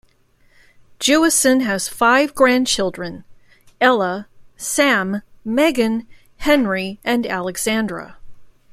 Jewison has five grandchildren: Ella, Sam, Megan, Henry, and Alexandra.